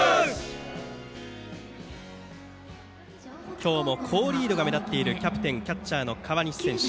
今日も好リードが目立っているキャプテンのキャッチャー河西選手。